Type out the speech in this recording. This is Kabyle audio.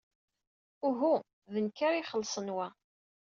Uhu, d nekk ara ixellṣen wa.